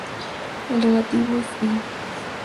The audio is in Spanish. El relativo es "i".